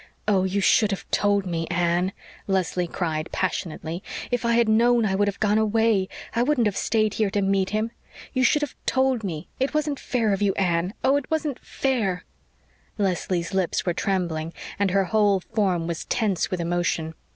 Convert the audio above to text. "Oh, you should have told me, Anne," Leslie cried passionately. "If I had known I would have gone away I wouldn't have stayed here to meet him. You should have told me. It wasn't fair of you, Anne oh, it wasn't fair!" Leslie's lips were trembling and her whole form was tense with emotion.